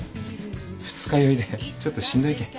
二日酔いでちょっとしんどいけん。